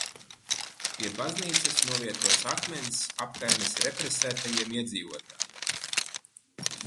Pie baznīcas novietots akmens apkaimes represētajiem iedzīvotājiem.